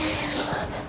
riri jangan tinggalin aku